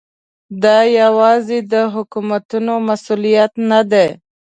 دا یوازې د حکومتونو مسؤلیت نه دی.